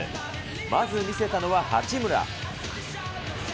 まず見せたのは八村。